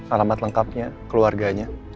alamat lengkapnya keluarganya